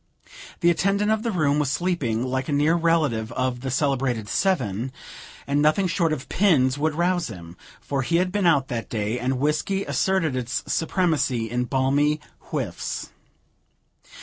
The attendant of the room was sleeping like a near relative of the celebrated Seven, and nothing short of pins would rouse him; for he had been out that day, and whiskey asserted its supremacy in balmy whiffs.